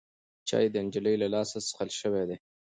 چای د نجلۍ له لاسه څښل شوی دی.